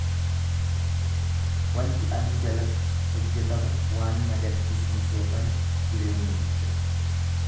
Wanti aduu jalatti hojjetamu waan na gaddisiiseefan jireenya jibbe;